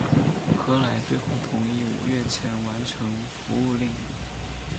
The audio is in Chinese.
何来最后同意五月前完成服务令。